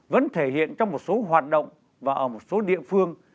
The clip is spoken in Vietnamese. vẫn thể hiện trong một số hoạt động và ở một số địa phương